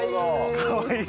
かわいい！